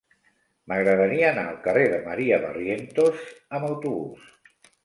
M'agradaria anar al carrer de Maria Barrientos amb autobús.